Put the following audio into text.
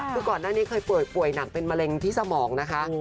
คือก่อนหน้านี้เคยป่วยหนักเป็นมะเร็งที่สมองนะคะ